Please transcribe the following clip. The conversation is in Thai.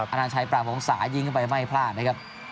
อันนัทชัยปรากฟองสาห์ยิงเข้าไปไม่พลาดนะครับ